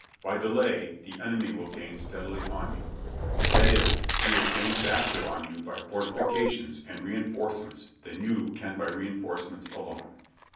By delay the enemy will gain steadily on you; that is, he will gain faster on you by fortifications and reinforcements than you can by reinforcements alone."